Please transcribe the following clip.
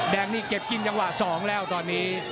แดงนี่เก็บกินจังหวะ๒แล้วตอนนี้